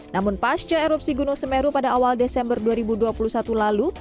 namun pasca erupsi gunung semeru pada awal desember dua ribu dua puluh satu lalu